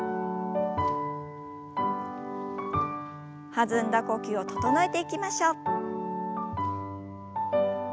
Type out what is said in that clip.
弾んだ呼吸を整えていきましょう。